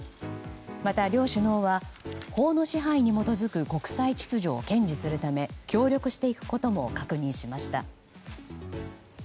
また、両首脳は法の支配に基づく国際秩序を堅持するため協力していくことも確認しました。